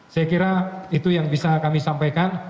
saya kira itu yang bisa kami sampaikan